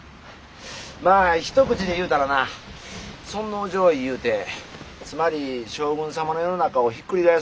まあ一口に言うたらな尊皇攘夷いうてつまり将軍様の世の中をひっくり返そうと企てる連中じゃ。